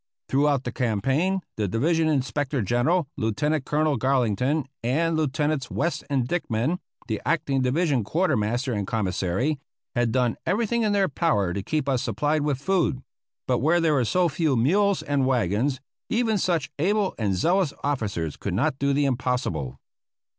Throughout the campaign the Division Inspector General, Lieutenant Colonel Garlington, and Lieutenants West and Dickman, the acting division quartermaster and commissary, had done everything in their power to keep us supplied with food; but where there were so few mules and wagons even such able and zealous officers could not do the impossible.